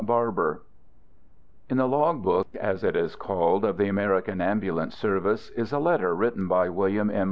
BARBER In the log book, as it is called, of the American Am bulance service, is a letter written by William M.